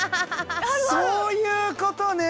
そういうことね。